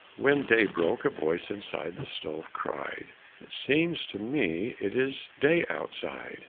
When day broke, a voice inside the stove cried, "It seems to me it is day outside!"